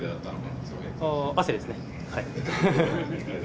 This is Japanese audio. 汗ですね。